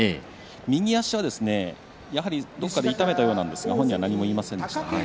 右足はやはりどこかで痛めたようなんですが本人は何も言いませんでした。